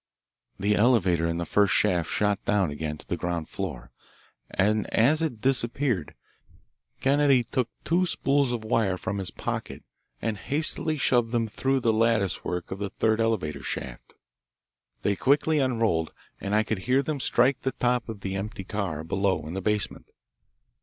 The elevator in the first shaft shot down again to the ground floor, and as it disappeared Kennedy took two spools of wire from his pocket and hastily shoved them through the lattice work the third elevator shaft. They quickly unrolled, and I could hear them strike the top of the empty car below in the basement.